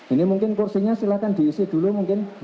ini mungkin kursinya silahkan diisi dulu mungkin